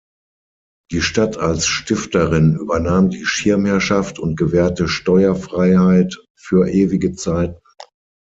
Die Stadt als Stifterin übernahm die Schirmherrschaft und gewährte Steuerfreiheit "„für ewige Zeiten“".